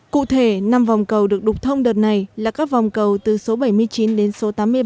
cụ thể năm vòng cầu được đục thông đợt này là các vòng cầu từ số bảy mươi chín đến số tám mươi ba